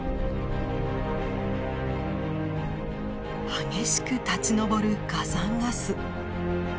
激しく立ち上る火山ガス。